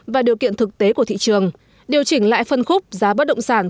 và điều kiện thực tế của thị trường điều chỉnh lại phân khúc giá bất động sản